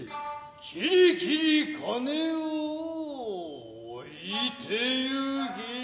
きりきり金を置いて行け。